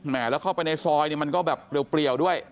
แหมละเข้าไปในซอยก็แบบเปรียวด้วย